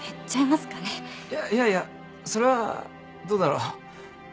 いやいやいやそれはどうだろう。